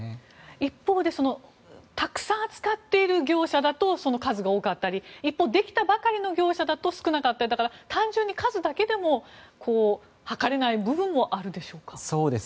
一方でたくさん扱っている業者だとその数が多かったりできたばかりの業者だと少なかったり単純に数だけでも測れない部分もあるでしょうか？